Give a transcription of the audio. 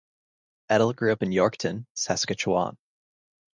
Edel grew up in Yorkton, Saskatchewan.